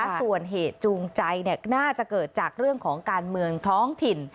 ส่วนเหตุจูงใจน่าจะเกิดจากเรื่องของการเมืองท้องถิ่น